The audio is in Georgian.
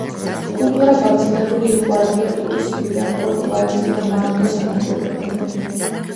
კულტურა გავრცელებული იყო ადრიატიკის ზღვიდან პორტუგალიისა და მაროკოს სანაპიროებამდე.